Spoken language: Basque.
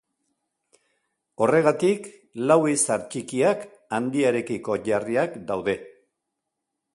Horregatik lau izar txikiak handiarekiko jarriak daude.